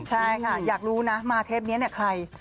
ใช่ค่ะอยากรู้นะมาเทปนี้เนี่ยใคร